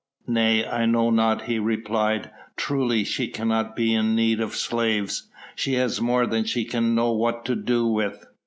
"Nay, I know not," he replied; "truly she cannot be in need of slaves. She has more than she can know what to do with."